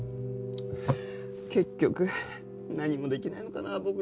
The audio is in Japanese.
結局何もできないのかなあ